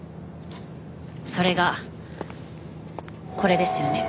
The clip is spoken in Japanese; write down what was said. それがこれですよね。